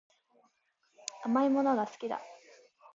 甘いものが好きだ